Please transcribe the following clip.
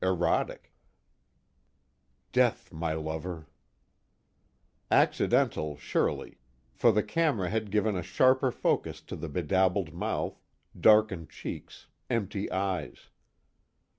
erotic: Death, my lover. Accidental surely, for the camera had given a sharper focus to the bedabbled mouth, darkened cheeks, empty eyes.